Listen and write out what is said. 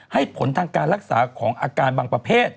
ให้ผลทางการรักษาของอาการบางประเภท